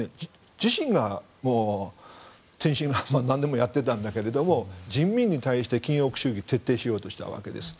自身が天真爛漫になんでもやっていたんだけど人民に対して禁欲主義を徹底しようとしたわけです。